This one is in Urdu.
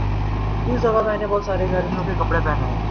اس دفعہ میں نے بہت سارے گرمیوں کے کپڑے بنائے